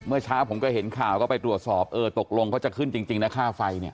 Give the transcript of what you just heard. เมื่อเช้าผมก็เห็นข่าวก็ไปตรวจสอบเออตกลงเขาจะขึ้นจริงนะค่าไฟเนี่ย